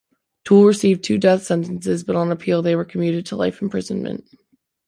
Toole received two death sentences, but on appeal they were commuted to life imprisonment.